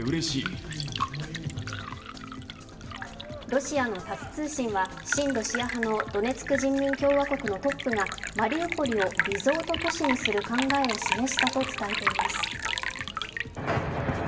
ロシアのタス通信は親ロシア派のドネツク人民共和国のトップがマリウポリをリゾート都市にする考えを示したと伝えています。